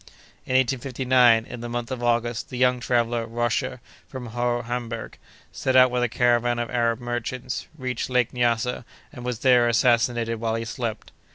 In 1859, in the month of August, the young traveller, Roscher, from Hamburg, set out with a caravan of Arab merchants, reached Lake Nyassa, and was there assassinated while he slept.